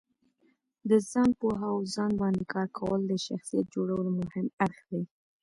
د ځانو پوهه او ځان باندې کار کول د شخصیت جوړولو مهم اړخ دی.